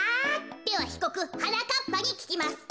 ではひこくはなかっぱにききます。